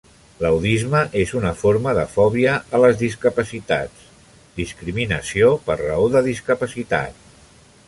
L'audisme és una forma de fòbia a les discapacitats, discriminació per raó de discapacitat.